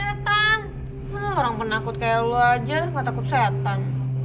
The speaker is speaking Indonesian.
orang penakut kayak lo aja gak takut setan